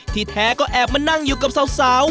แท้ก็แอบมานั่งอยู่กับสาว